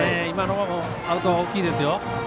今のアウトは大きいですよ。